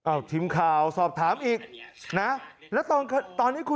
อ้าวทิมข่าวสอบถามอีก